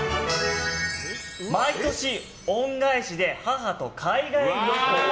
毎年、恩返しで母と海外旅行。